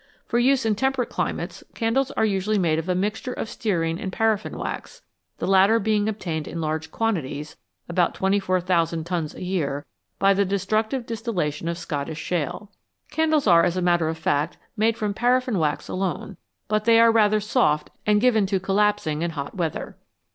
For use in temperate climates, candles are usually made of a mixture of stearine and paraffin wax, the latter being obtained in large quantities (about 24,000 tons a year) by the destructive distillation of Scottish shale. Candles are, as a matter of fact, made from paraffin wax alone, but they are rather soft and given to collapsing in hot weather.